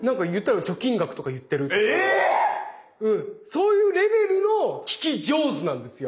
⁉そういうレベルの聞き上手なんですよ。